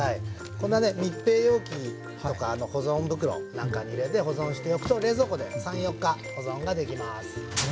こんなね密閉容器とか保存袋なんかに入れて保存しておくと冷蔵庫で３４日保存ができます。